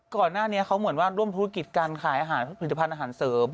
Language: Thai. ก่อนหน้านี้เขาเหมือนว่าร่วมธุรกิจการขายอาหารผลิตภัณฑ์อาหารเสริม